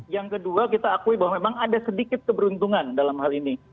yang kedua kita akui bahwa memang ada sedikit keberuntungan dalam hal ini